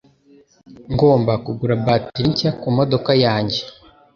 Ngomba kugura bateri nshya kumodoka yanjye.